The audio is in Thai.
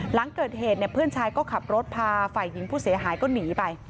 หลังเกิดเหตุพี่กำลังขับรถนี้ผ่านเสียหายก็หนีไป